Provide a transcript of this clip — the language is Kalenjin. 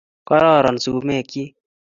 Kororon sumekchi